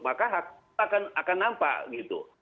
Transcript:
maka akan nampak gitu